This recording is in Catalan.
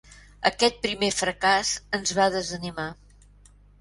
Aquest primer fracàs ens va desanimar.